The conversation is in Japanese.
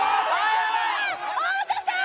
太田さん！